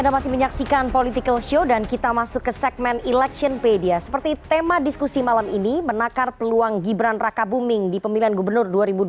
mengucapkan peluang gibran raka booming di pemilihan gubernur dua ribu dua puluh empat